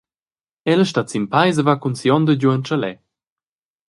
Ella stat sin peis e va cun si’onda giu en tschaler.